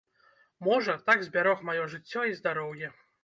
Можа, так збярог маё жыццё і здароўе.